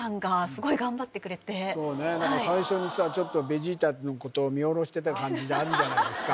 あの何か最初にさちょっとベジータのことを見下ろしてた感じがあるじゃないですか